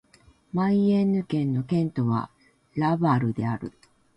マイエンヌ県の県都はラヴァルである